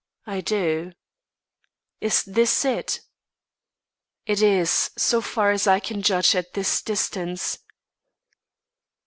"I do." "Is this it?" "It is, so far as I can judge at this distance."